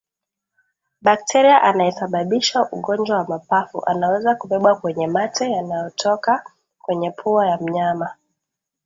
Bakteria anayesababisha ugonjwa wa mapafu anaweza kubebwa kwenye mate yanayotoka kwenye pua ya mnyama